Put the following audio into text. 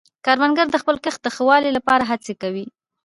کروندګر د خپل کښت د ښه والي لپاره هڅې کوي